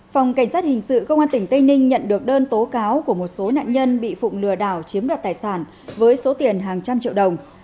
phòng cảnh sát hình sự công an tỉnh tây ninh nhận được đơn tố cáo của một số nạn nhân bị phụng lừa đảo chiếm đoạt tài sản với số tiền hàng trăm triệu đồng